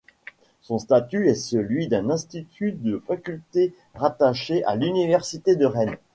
Son statut est celui d'un institut de faculté rattaché à l'Université de Rennes.